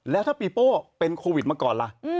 แล้วถ้าปีโป้เป็นโควิดมาก่อนล่ะ